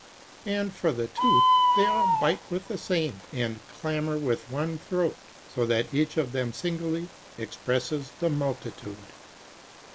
And for the tooth, they all bite with the same: and clamor with one throat; so that each of them singly expresses the multitude.